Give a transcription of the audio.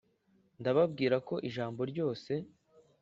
Ndababwira ko ijambo ryose